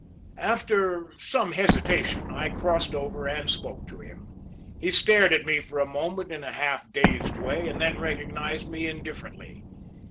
After some hesitation, I crossed over and spoke to him. He stared at me for a moment in a half dazed way, and then recognized me indifferently.